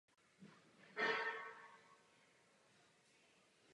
Oficiální předsednictví organizace rotuje mezi všemi členskými státy s výjimkou Islandu.